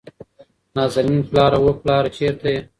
نازنين: پلاره، وه پلاره چېرته يې ؟